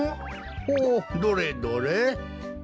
ほうどれどれ？